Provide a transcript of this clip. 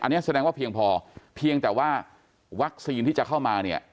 อันนี้แสดงว่าเพียงพอเพียงแต่ว่าวัคซีนที่จะเข้ามาเนี่ย